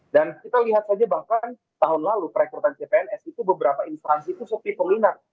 dan kita lihat saja bahkan tahun lalu perekrutan cpns itu beberapa instansi itu seperti penglinat